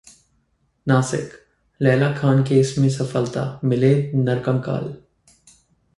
नासिकः Laila Khan case में सफलता, मिले नरकंकाल